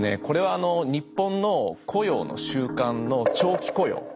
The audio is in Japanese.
これは日本の雇用の習慣の長期雇用